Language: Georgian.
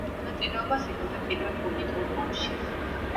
მონაწილეობას იღებდა პირველ პუნიკურ ომში.